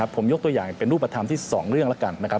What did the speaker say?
ผมยกตัวอย่างเป็นรูปธรรมที่๒เรื่องแล้วกันนะครับ